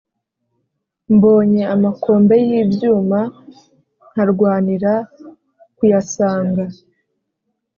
Mbona amakombe y’ibyuma nkarwanira kuyasanga.